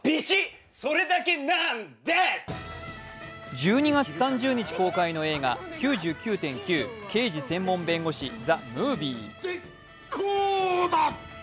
１２月３０日公開の映画「９９．９−刑事専門弁護士−ＴＨＥＭＯＶＩＥ」。